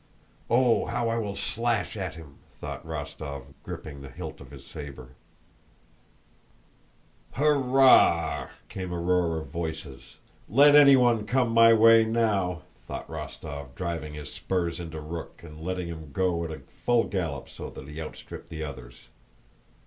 "Oh, how I will slash at him!" thought Rostóv, gripping the hilt of his saber. "Hur a a a ah!" came a roar of voices. "Let anyone come my way now," thought Rostóv driving his spurs into Rook and letting him go at a full gallop so that he outstripped the others.